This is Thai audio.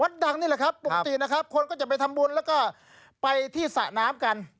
ดังนี่แหละครับปกตินะครับคนก็จะไปทำบุญแล้วก็ไปที่สระน้ำกัน